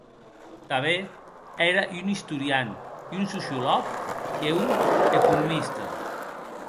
Tanben ère un istorian, un sociològ e un economista.